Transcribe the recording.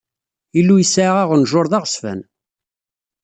Ilu yesɛa aɣenjur d aɣezfan.